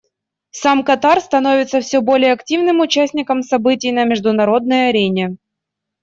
Сам Катар становится все более активным участником событий на международной арене.